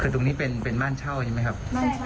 แต่ตรงนี้เป็นบ้านเช่าใช่ไหมครับ